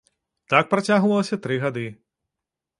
Так працягвалася тры гады.